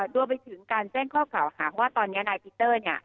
รวมไปถึงการแจ้งข้อกล่าวหาว่าตอนนี้นายปีเตอร์เนี่ย